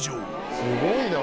すごいな！